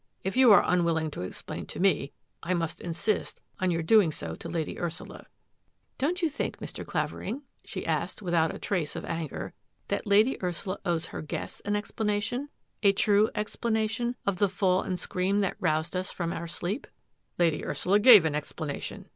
If you are unwilling to explain to me, I must insist on your doing so to Lady Ursula.'' " Don't you think, Mr. Clavering," she asked, without a trace of anger, " that Lady Ursula owes her guests an explanation — a true explanation — of the fall and scream that roused us from our sleep? "" Lady Ursula gave an explanation."